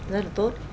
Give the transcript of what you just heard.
rất là tốt